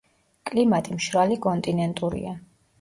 კლიმატი მშრალი კონტინენტურია.